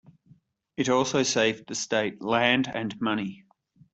It also saved the state land and money.